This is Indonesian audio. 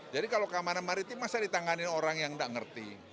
jadi kalau keamanan kemaritiman saya ditangani orang yang tidak mengerti